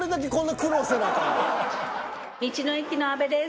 道の駅の安部です。